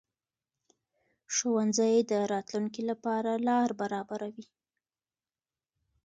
ښوونځی د راتلونکي لپاره لار برابروي